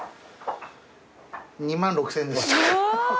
２万６，０００円です。